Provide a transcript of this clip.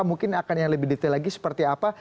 mungkin akan yang lebih detail lagi seperti apa